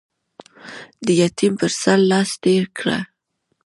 د يتيم پر سر لاس تېر کړه.